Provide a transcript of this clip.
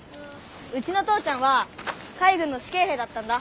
うちの父ちゃんは海軍の主計兵だったんだ。